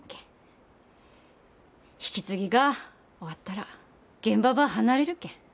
引き継ぎが終わったら現場ば離れるけん。